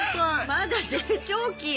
まだ成長期よ？